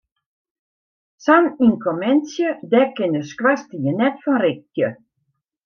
Sa'n ynkommentsje, dêr kin de skoarstien net fan rikje.